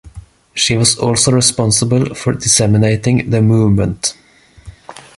She was also responsible for disseminating the movement.